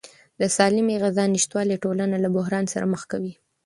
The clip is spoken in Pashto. د سالمې غذا نشتوالی ټولنه له بحران سره مخ کوي.